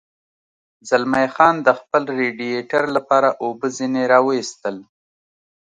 زلمی خان د خپل رېډیټر لپاره اوبه ځنې را ویستل.